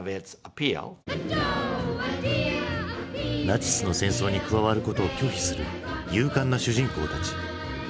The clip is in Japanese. ナチスの戦争に加わることを拒否する勇敢な主人公たち。